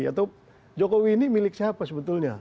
atau jokowi ini milik siapa sebetulnya